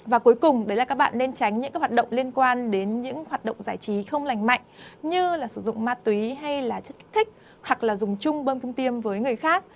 và cuối cùng đấy là các bạn nên tránh những hoạt động liên quan đến những hoạt động giải trí không lành mạnh như là sử dụng ma túy hay là chất kích thích hoặc là dùng chung bơm thông tim với người khác